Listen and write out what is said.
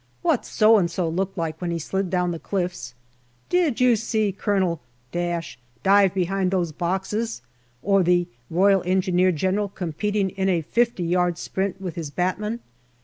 What So and so looked like when he slid down the cliffs. " Did you see Colonel dive behind those boxes, or the R.E. General competing in a fifty yards' sprint with his batman